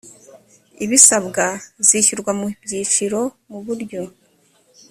ibisabwa zishyirwa mu byiciro mu buryo